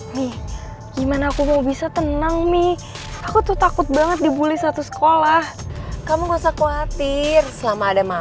nih gimana aku mau bisa tenang mi aku tuh takut banget dibully satu sekolah kamu enggak usahkuatir selama ada mamamu